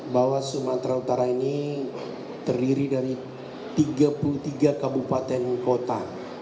bahwa sumatera utara ini terdiri dari tiga puluh tiga kabupaten kota